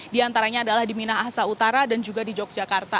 di antaranya adalah di minahasa utara dan juga di yogyakarta